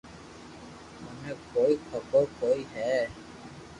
منو ڪوئي خبر ڪوئي ھي